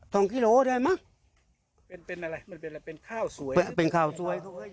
งกิโลได้มั้งเป็นเป็นอะไรมันเป็นอะไรเป็นข้าวสวยเป็นข้าวสวย